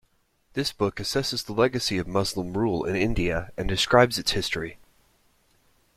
The book assesses the legacy of Muslim rule in India and describes its history.